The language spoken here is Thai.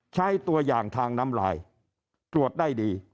ใช้ตัวอย่างทางน้ำลายตรวจได้ดี